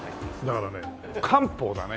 だからね漢方だね。